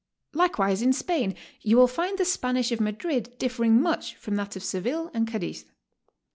Likewise in Spain you wdll find the Spanish of Madrid differ ing much from that of Seville and Cadiz.